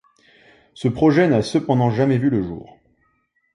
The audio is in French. Ce projet n'a cependant jamais vu le jour.